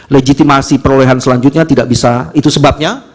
legitimasi perolehan selanjutnya tidak bisa itu sebabnya